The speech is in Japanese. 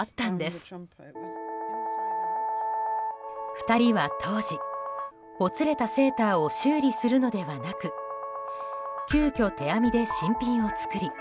２人は当時ほつれたセーターを修理するのではなく急きょ、手編みで新品を作り